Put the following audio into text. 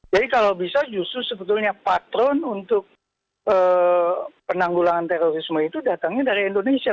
jadi kalau bisa justru sebetulnya patron untuk penanggulangan terorisme itu datangnya dari indonesia